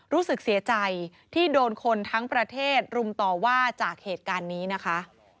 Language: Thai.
รู้สึกเสียใจที่โดนคนทั้งประเทศรุมต่อว่าจากเหตุการณ์นี้นะคะ